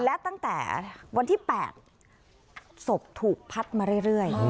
และตั้งแต่วันที่แปดศพถูกพัดมาเรื่อยเรื่อยอ๋อ